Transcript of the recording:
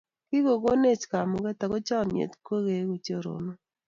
Kikogonech kamuget ago chamnyet kongeegu choronok